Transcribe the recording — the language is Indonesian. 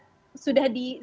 tapi apabila sudah tuntas